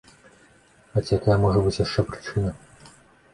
Ці якая можа быць яшчэ прычына?